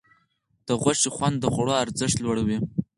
د غوښې خوند د خوړو ارزښت لوړوي.